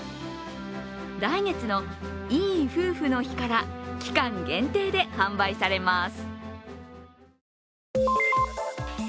来月のいい夫婦の日から期間限定で販売されます。